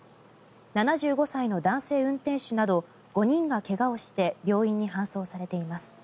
７５歳の男性運転手など５人が怪我をして病院に搬送されています。